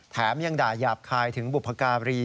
ยังด่ายาบคายถึงบุพการี